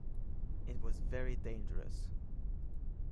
It was very dangerous.